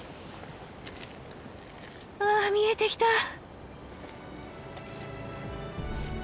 ああ見えてきた！